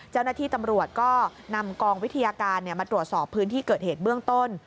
เจ้าหน้าที่ตำรวจก็นำกองวิทยาการมาตรวจสอบพื้นที่เกิดเหตุเบื้องต้น